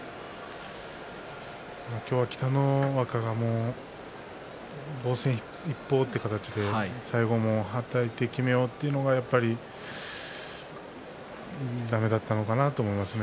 今日は北の若が防戦一方という形で最後ははたいてきめようというのがだめだったのかなと思いますね。